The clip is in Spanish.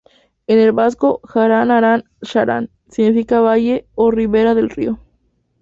En el vasco, Jarán-Harán-Xarán, significa valle o ribera del río.